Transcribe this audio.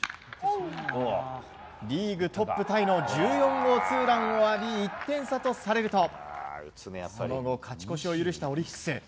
リーグトップタイの１４号ツーランを浴び１点差とされるとその後、勝ち越しを許したオリックス。